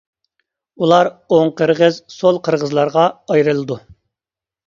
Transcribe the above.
ئۇلار ئوڭ قىرغىز، سول قىرغىزلارغا ئايرىلىدۇ.